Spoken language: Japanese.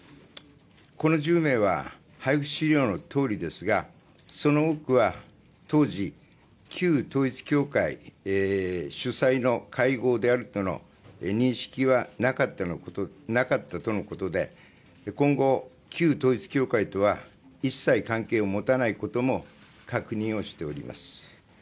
この１０名は配布資料のとおりですがその多くは当時旧統一教会主催の会合であるとの認識はなかったとのことで今後、旧統一教会とは一切関係を持たないことも確認をしております。